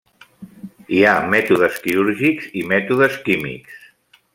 Hi ha mètodes quirúrgics i mètodes químics.